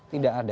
tidak ada ya